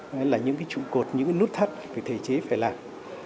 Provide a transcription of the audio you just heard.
đó là những trụ cột những nút thắt thể chế phải làm